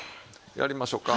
やりましょうか。